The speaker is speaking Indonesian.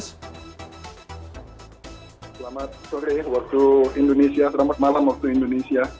selamat sore waktu indonesia selamat malam waktu indonesia